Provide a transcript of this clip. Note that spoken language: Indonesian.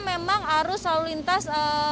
memang arus lalu lintas